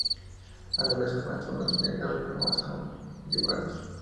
A la vez comenzó a tener graves problemas conyugales.